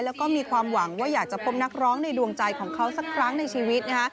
แล้วก็มีความหวังว่าอยากจะพบนักร้องในดวงใจของเขาสักครั้งในชีวิตนะคะ